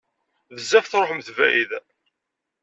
Bezzaf truḥemt bɛid.